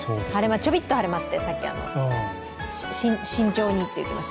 ちょびっと晴れ間ってさっき、慎重にって言ってました。